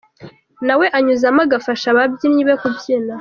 Nawe anyuzamo agafasha ababyinnyi be kubyina